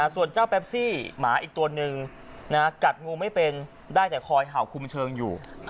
ส่วนเจ้าแปปซี่หมาอีกตัวหนึ่งกัดงูไม่เป็นได้แต่คอยเห่าคุมเชิงอยู่